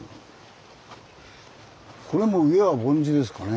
これも上は梵字ですかね。